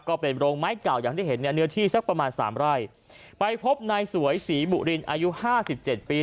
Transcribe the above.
ก็เป็นโรงไม้เก่าอย่างที่เห็นเนี่ยเนื้อที่สักประมาณสามไร่ไปพบนายสวยศรีบุรินอายุห้าสิบเจ็ดปี